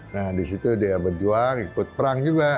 nah di situ dia berjuang ikut perang juga